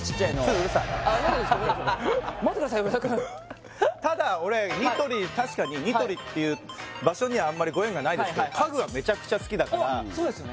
上田くんただ俺ニトリ確かにニトリっていう場所にはあんまりご縁がないですけど家具はメチャクチャ好きだからおっそうですよね